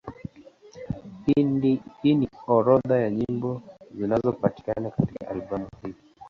Hii ni orodha ya nyimbo zinazopatikana katika albamu hii.